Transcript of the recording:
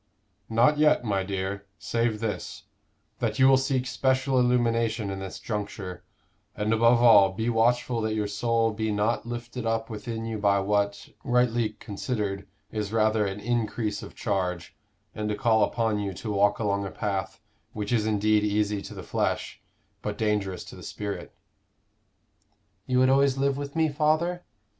"Not yet, my dear save this; that you will seek special illumination in this juncture, and, above all, be watchful that your soul be not lifted up within you by what, rightly considered, is rather an increase of charge, and a call upon you to walk along a path which is indeed easy to the flesh, but dangerous to the spirit." "You would always live with me, father?"